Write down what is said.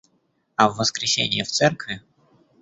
А в воскресенье в церкви?